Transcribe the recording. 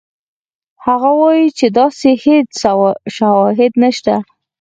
هغه وایي چې داسې هېڅ شواهد نشته.